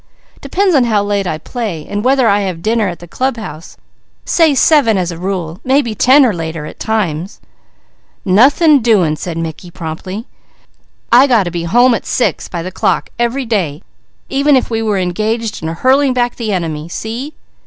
"Depends on how late I play, and whether I have dinner at the club house, say seven as a rule, maybe ten or later at times." "Nothing doing!" said Mickey promptly. "I got to be home at six by the clock every day, even if we were engaged in 'hurling back the enemy.' See?"